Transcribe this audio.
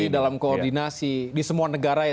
dalam koordinasi di semua negara ya